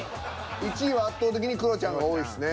１位は圧倒的にクロちゃんが多いですね。